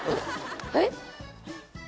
えっ？